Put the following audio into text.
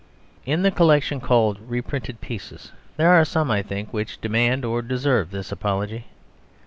In the collection called Reprinted Pieces there are some, I think, which demand or deserve this apology.